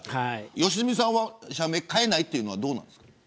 良純さんは社名変えないというのはどうですか。